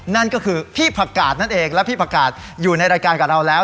นั่นก็คือพี่ผักกาดนั่นเองและพี่ผักกาศอยู่ในรายการกับเราแล้ว